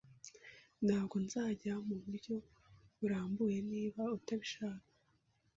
Ntabwo nzajya muburyo burambuye niba utabishaka